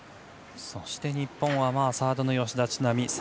そして日本はサードの吉田知那美